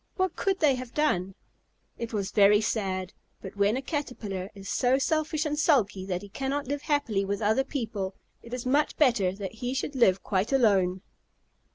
What could they have done? It was very sad, but when a Caterpillar is so selfish and sulky that he cannot live happily with other people, it is much better that he should live quite alone.